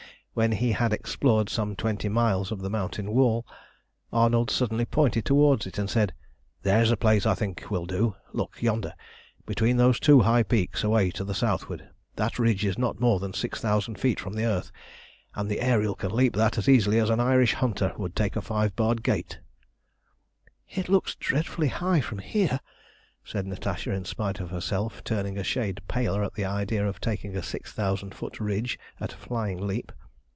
When he had explored some twenty miles of the mountain wall, Arnold suddenly pointed towards it, and said "There is a place that I think will do. Look yonder, between those two high peaks away to the southward. That ridge is not more than six thousand feet from the earth, and the Ariel can leap that as easily as an Irish hunter would take a five barred gate." "It looks dreadfully high from here," said Natasha, in spite of herself turning a shade paler at the idea of taking a six thousand foot ridge at a flying leap.